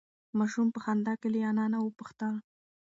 ماشوم په خندا کې له انا نه وپوښتل.